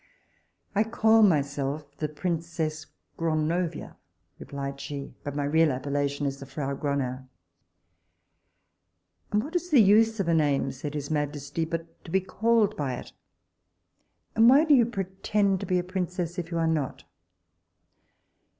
I call myself the princess Gronovia, replied she; but my real appellation is the frow Gronow. And what is the use of a name, said his majesty, but to be called by it? And why do you pretend to be a princess, if you are not?